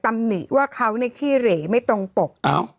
ตำหนีว่าเขาเนี่ยขี้เหร่ไม่ตรงปก